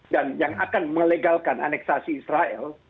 dan yang akan melegalkan aneksasi israel